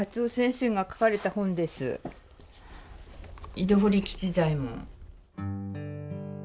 「井戸掘吉左衛門」。